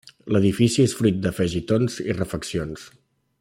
L'edifici és fruit d'afegitons i refeccions.